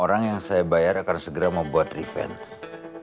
orang yang saya bayar akan segera membuat refense